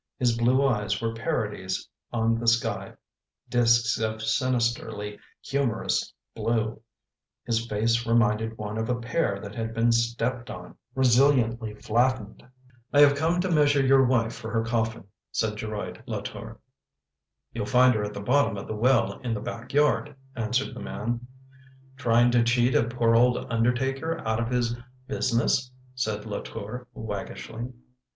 His blue eyes were parodies on the sky — discs of sinisterly humourous blue; his face reminded one of a pear that had been stepped on — resiliency flattened. " I have come to measure your wife for her coffin/' said Geroid Latour. " You'll find her at the bottom of the well in the back yard/' answered the man. "Trying to cheat a poor old undertaker out of his business! " said Latour, waggishly.